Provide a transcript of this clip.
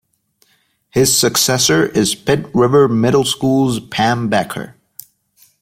His successor is Pitt River Middle School's Pam Becker.